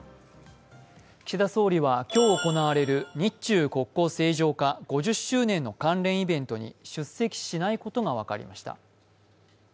岸田総理は今日行われる日中国交正常化５０周年の関連イベントに出席しないことが分かりました。